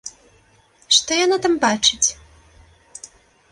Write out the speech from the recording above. Што яна там бачыць?